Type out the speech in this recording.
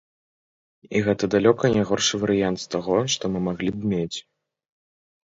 І гэта далёка не горшы варыянт з таго, што мы маглі б мець.